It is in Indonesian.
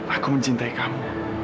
aku mencintai kamu